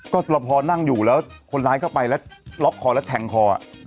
ก็เราพอนั่งอยู่แล้วคนร้ายเข้าไปแล้วล็อกคอแล้วแทงคอ